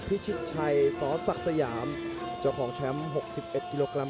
พิชิตชัยสศักดิ์สยามเจ้าของแชมป์๖๑กิโลกรัม